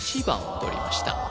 １番をとりました